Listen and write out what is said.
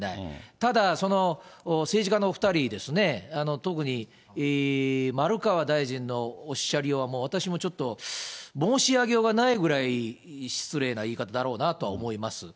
ただ政治家のお２人ですね、特に丸川大臣のおっしゃりようは、私もちょっと申し上げようがないくらい失礼な言い方だろうなとは思います。